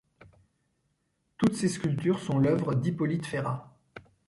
Toutes ces sculptures sont l'œuvre d'Hippolyte Ferrat.